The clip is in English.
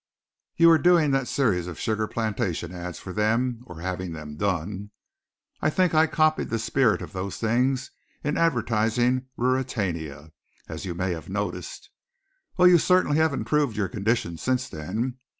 You were doing that series of sugar plantation ads for them or having them done. I think I copied the spirit of those things in advertising Ruritania, as you may have noticed. Well, you certainly have improved your condition since then.